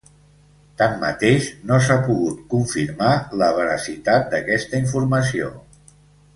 Tanmateix, no s’ha pogut confirmar la veracitat d’aquesta informació.